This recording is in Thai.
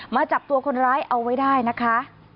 จับตัวคนร้ายเอาไว้ได้นะคะ